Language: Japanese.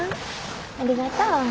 ありがとう。